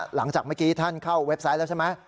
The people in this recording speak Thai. หลังจากเมื่อกี้ท่านเข้าเว็บไซต์แล้วใช่ไหม